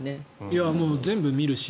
全部見るし。